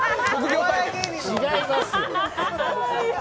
違いますよ。